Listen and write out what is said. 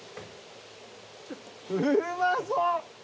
うまそう！